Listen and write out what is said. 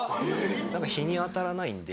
日に当たらないんで。